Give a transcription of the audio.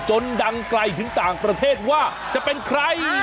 ดังไกลถึงต่างประเทศว่าจะเป็นใคร